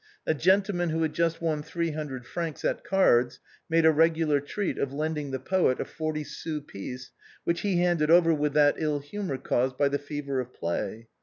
A gentleman who had just won three hundred francs at cards, made a regular treat of lending the poet a forty sous piece, which he handed over with that ill humor caused by the fever of play.